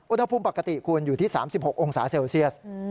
อุณหภูมิปกติคุณอยู่ที่๓๖องศาเซลเซียส